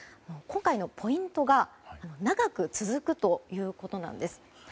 今回のポイントが長く続くということなんです。